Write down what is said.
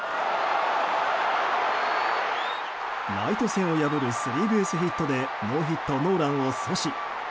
ライト線を破るスリーベースヒットでノーヒットノーランを阻止。